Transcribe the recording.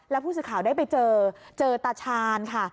แล้วผู้สื่อข่าวได้ไปเจอเจอตาชาญค่ะ